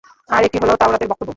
আর এটি হলো তাওরাতের বক্তব্য।